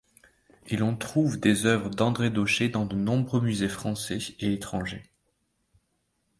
Et l’on trouve des œuvres d’André Dauchez dans nombre de musées français et étrangers.